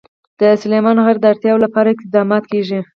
د سلیمان غر د اړتیاوو لپاره اقدامات کېږي.